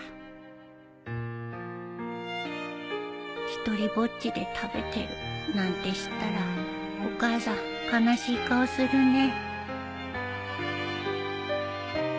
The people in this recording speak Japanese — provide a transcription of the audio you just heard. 独りぼっちで食べてるなんて知ったらお母さん悲しい顔するね